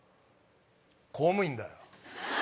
公務員だよ。